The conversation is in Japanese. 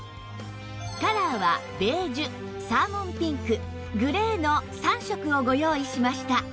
カラーはベージュサーモンピンクグレーの３色をご用意しました